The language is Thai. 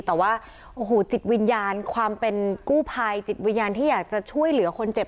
แต่ว่าโอ้โหจิตวิญญาณความเป็นกู้ภัยจิตวิญญาณที่อยากจะช่วยเหลือคนเจ็บ